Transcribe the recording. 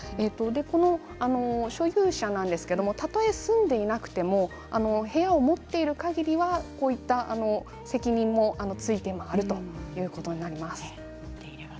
所有者なんですけれどたとえ住んでいなくても部屋を持っているかぎりはこういった責任もついて回るということです。